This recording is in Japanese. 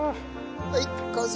はい完成！